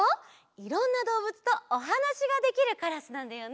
いろんなどうぶつとおはなしができるカラスなんだよね。